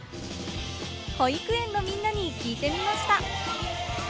保育園のみんなに聞いてみました。